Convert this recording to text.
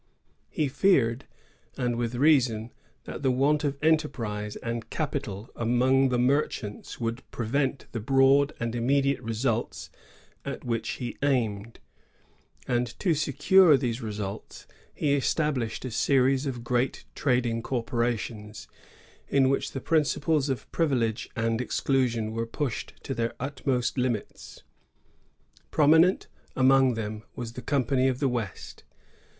He feared, and with reason, that the want of enterprise and capital among the merchants would prevent the broad and immediate results at which he aimed; and to secure these results he established a series of great trading corporations, in which the principles of privilege and exclusion were pushed to their utmost limits. Prominent among them was f the Company of the West.